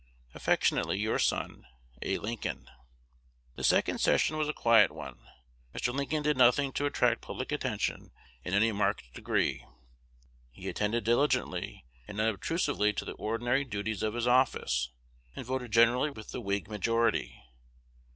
Affectionately your son, A. Lincoln. The second session was a quiet one. Mr. Lincoln did nothing to attract public attention in any marked degree. He attended diligently and unobtrusively to the ordinary duties of his office, and voted generally with the Whig majority.